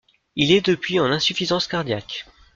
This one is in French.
Il est depuis en insuffisance cardiaque.